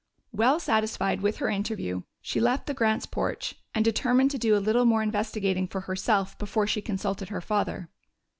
Well satisfied with her interview, she left the Grants' porch and determined to do a little more investigating for herself before she consulted her father.